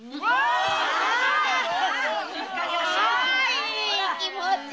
いい気持ち。